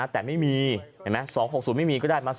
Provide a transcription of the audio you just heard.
แต่ไม่มี๒๖๐ไม่มีก็ได้มา๐๐๖